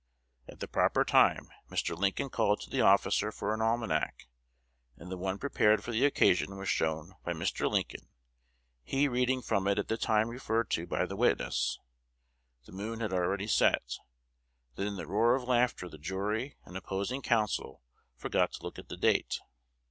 At the proper time, Mr. Lincoln called to the officer for an almanac; and the one prepared for the occasion was shown by Mr. 'Lincoln, he reading from it at the time referred to by the witness 'The moon had already set;' that in the roar of laughter the jury and opposing counsel forgot to look at the date.